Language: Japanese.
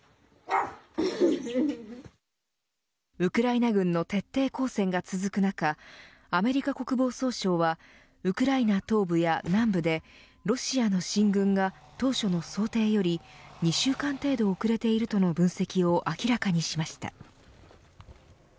ウクライナ軍の徹底抗戦が続く中アメリカ国防総省はウクライナ東部や南部でロシアの進軍が当初の想定より２週間程度遅れているとの分析を明らかにしました。